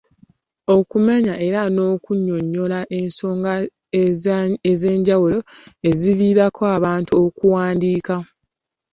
Okumenya era n'onnyonnyola ensonga ez'enjawulo eziviirako abantu okuwandiika.